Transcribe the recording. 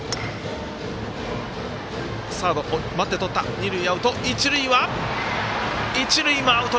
二塁アウト、一塁もアウト。